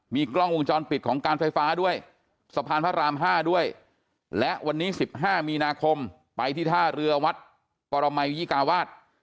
มีกล้องวงจรปิดของการไฟฟ้าด้วยสะพานพระราม๕ด้วยและวันนี้๑๕มีนาคมไปที่ท่าเรือวัดปรมัยยิกาวาส